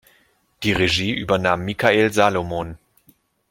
Die Regie übernahm Mikael Salomon.